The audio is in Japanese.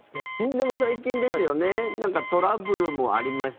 でも、最近ですよねトラブルもありました。